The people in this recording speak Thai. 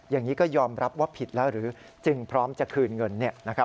อย่างนี้ก็ยอมรับว่าผิดแล้วหรือจึงพร้อมจะคืนเงิน